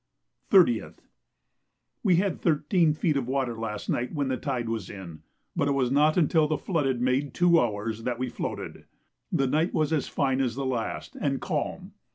30th. We had 13 feet water last night when the tide was in, but it was not until the flood had made two hours that we floated. The night was as fine as the last and calm.